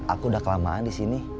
aku udah kelamaan di sini